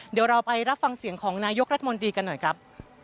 เดี๋ยวเราไปรับฟังเสียงของนายกรัฐมนตรีกันหน่อยครับ